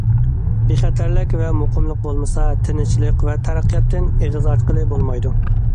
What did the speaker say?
بىخەتەرلىك ۋە مۇقىملىق بولمىسا، تىنچلىق ۋە تەرەققىياتتىن ئېغىز ئاچقىلى بولمايدۇ.